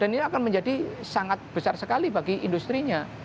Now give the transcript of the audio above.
dan ini akan menjadi sangat besar sekali bagi industri nya